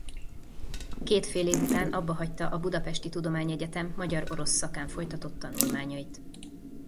Két félév után abbahagyta a budapesti tudományegyetem magyar-orosz szakán folytatott tanulmányait.